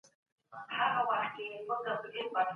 د کابل او تهران ترمنځ اقتصادي تړونونه څه پایلې لري؟